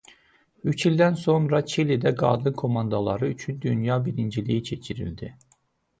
Üç ildən sonra Çilidə qadın komandaları ücün dünya birinciliyi keçirildi.